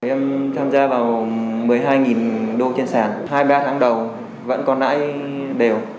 em tham gia vào một mươi hai đô trên sản hai mươi ba tháng đầu vẫn còn nãy đều